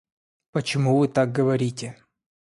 Почему Вы так говорите?